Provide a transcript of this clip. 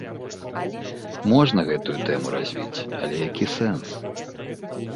Можна гэтую тэму развіць, але які сэнс?